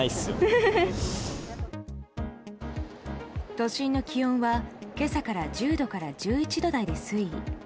都心の気温は今朝から１０度から１１度台で推移。